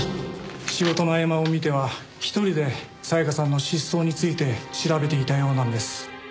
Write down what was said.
仕事の合間を見ては一人で沙耶香さんの失踪について調べていたようなんです。